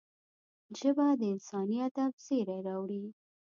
ژبه د انساني ادب زېری راوړي